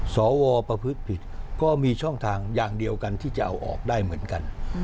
สวประพฤติผิดก็มีช่องทางอย่างเดียวกันที่จะเอาออกได้เหมือนกัน